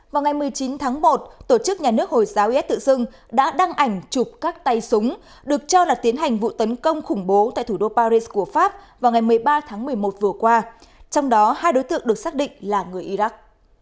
vào ngày một mươi chín tháng một tổ chức nhà nước hồi giáo is tự xưng đã đăng ảnh chụp các tay súng được cho là tiến hành vụ tấn công khủng bố tại thủ đô paris của pháp vào ngày một mươi ba tháng một mươi một vừa qua trong đó hai đối tượng được xác định là người iraq